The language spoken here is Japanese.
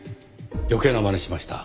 余計なまねしました。